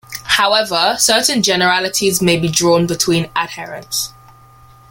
However, certain generalities may be drawn between adherents.